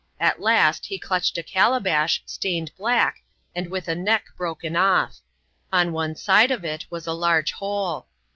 Xt last, he clutched. a calabash, stained black, and with a neck broken off; on one Aide of it was a large hole.